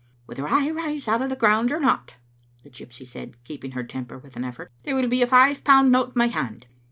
"Whether I rise out of the ground or not," the gypsy said, keeping her temper with an effort, " there will be a five pound note in my hand.